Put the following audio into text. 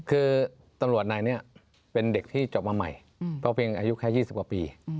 คือตำรวจนายนี้เป็นเด็กที่จบมาใหม่เพราะเพียงอายุแค่๒๐กว่าปี